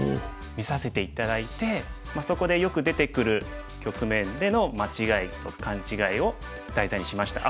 見させて頂いてそこでよく出てくる局面での間違いと勘違いを題材にしました。